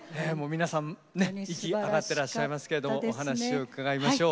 皆さんねっ息上がってらっしゃいますけどもお話を伺いましょう。